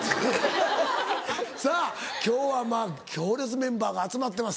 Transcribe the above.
さぁ今日は強烈メンバーが集まってます。